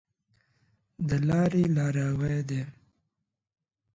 د لاري لاروی دی .